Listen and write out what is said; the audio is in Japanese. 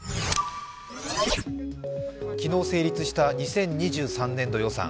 昨日成立した２０２３年度予算。